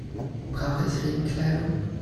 Brauche ich Regenkleidung?